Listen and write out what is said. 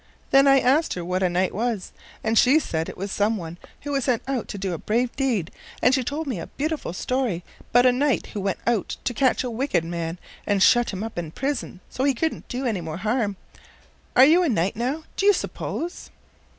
Then I asked her what a knight was, and she said it was some one who was sent out to do a brave deed, and she told me a beautiful story 'bout a knight who went out to catch a wicked man and shut him up in prison so he couldn't do any more harm. Are you a knight now, do you suppose?"